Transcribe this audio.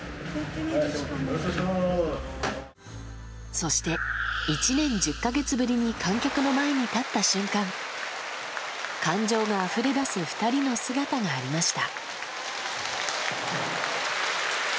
そして、１年１０か月ぶりに観客の前に立った瞬間感情があふれ出す２人の姿がありました。